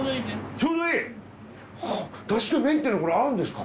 ちょうどいい！あっだしと麺っていうのはこれ合うんですか？